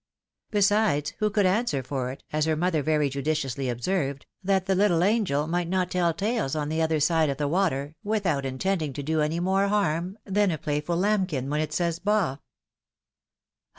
Besides, who could answer for it, as her mother very judiciously observed, that the little angel might not tell tales on the other side of the water, without intend ing to do any more harm than a playful lambkin when it says " ba